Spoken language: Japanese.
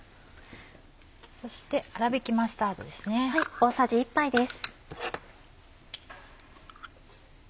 そしてあらびきマスタードです。